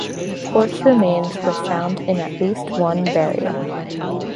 Horse remains were found in at least one burial.